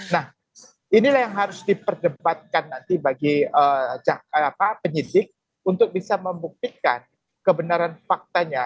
nah inilah yang harus diperdebatkan nanti bagi penyidik untuk bisa membuktikan kebenaran faktanya